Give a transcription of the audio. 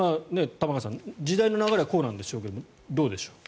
玉川さん、時代の流れはこうなんでしょうけどもどうでしょう。